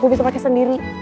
gue bisa pakai sendiri